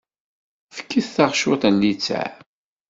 Fket-aɣ cwiṭ n littseɛ.